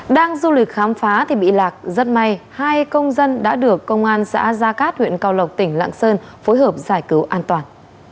đang du lịch khám phá thì bị lạc rất may hai công dân đã được công an xã gia cát huyện cao lộc tỉnh lạng sơn phối hợp giải cứu an toàn